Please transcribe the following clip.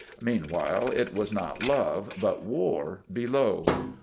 Meanwhile, it was not love but war below.